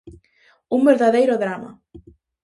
Un verdadeiro drama.